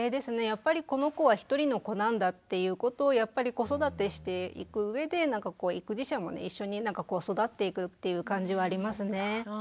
やっぱりこの子は一人の子なんだっていうことをやっぱり子育てしていくうえで育児者も一緒に育っていくっていう感じはありますね。